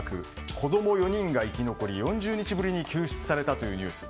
子供４人が生き残り４０日ぶりに救出されたというニュース。